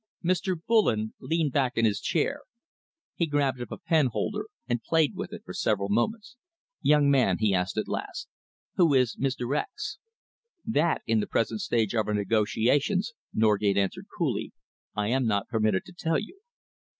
Mr. Bullen leaned back in his chair. He picked up a penholder and played with it for several moments. "Young man," he asked at last, "who is Mr. X ?" "That, in the present stage of our negotiations," Norgate answered coolly, "I am not permitted to tell you."